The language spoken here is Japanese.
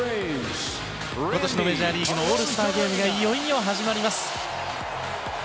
今年のメジャーリーグのオールスターゲームがいよいよ始まります。